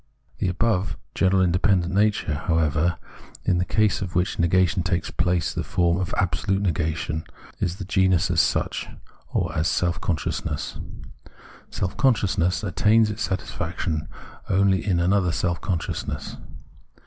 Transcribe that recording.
The above general iu dependent nature, however, in the case of which nega tion takes the form of absolute negation, is the genus as such, or as self consciousness. Self consciousness attains its satisfaction only in another self consciousness.